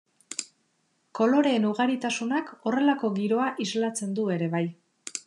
Koloreen ugaritasunak horrelako giroa islatzen du ere bai.